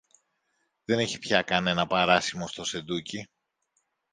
Δεν έχει πια κανένα παράσημο στο σεντούκι